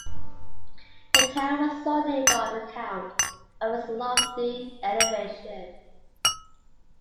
The town was so named on account of its lofty elevation.